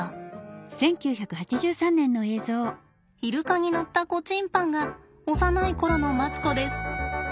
イルカに乗った子チンパンが幼いころのマツコです。